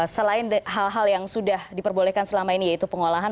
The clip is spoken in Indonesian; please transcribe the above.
selain hal hal yang sudah diperbolehkan selama ini yaitu pengolahan